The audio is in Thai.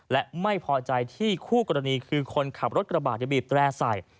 และไม่พอใจที่คู่กรณีคือคนขับรถกระบาดจะบีบแตร่ใส่